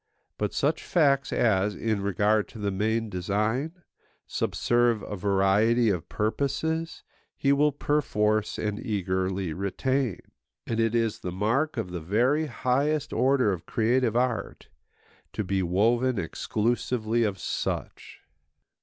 But such facts as, in regard to the main design, subserve a variety of purposes, he will perforce and eagerly retain. And it is the mark of the very highest order of creative art to be woven exclusively of such.